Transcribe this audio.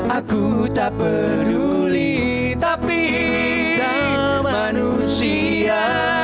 aku tak peduli tapi manusia